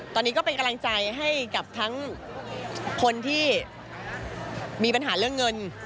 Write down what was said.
ตอนนี้ก็เป็นกำลังใจให้กับทั้งคนที่มีปัญหาเรื่องเงิน